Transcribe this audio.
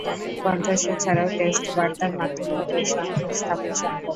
কন্ঠস্বর ছাড়াও টেক্সট বার্তার মাধ্যমেও এই সংযোগ স্থাপন সম্ভব।